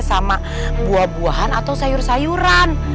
sama buah buahan atau sayur sayuran